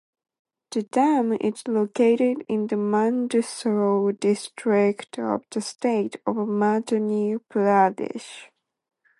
The dam is located in the Mandsaur district of the state of Madhya Pradesh.